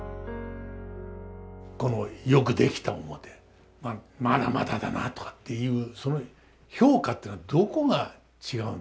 このよくできた面「まだまだだなあ」とかっていうその評価っていうのはどこが違うんですか？